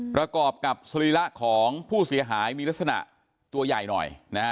ประกอบกับสรีระของผู้เสียหายมีลักษณะตัวใหญ่หน่อยนะฮะ